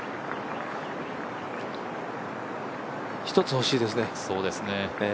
一つほしいですね。